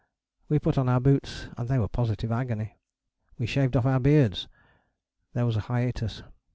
We put on our boots, and they were positively agony. We shaved off our beards! There was a hiatus.